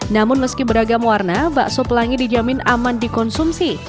namun meski beragam warna bakso pelangi dijamin aman dikonsumsi